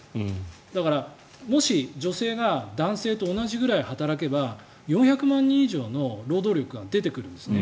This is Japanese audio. だから、もし女性が男性と同じくらい働けば４００万人以上の労働力が出てくるんですね。